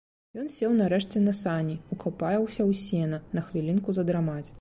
Ён сеў нарэшце на сані, укапаўся ў сена на хвілінку задрамаць.